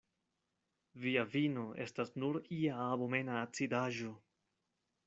Via vino estas nur ia abomena acidaĵo.